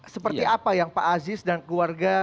seperti apa yang pak aziz dan keluarga